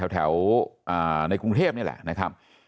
แถวในกรุงเทพนี่แหละนะครับ